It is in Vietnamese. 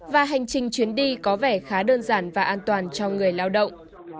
và hành trình chuyến đi có vẻ khá đơn giản và an toàn cho người lao động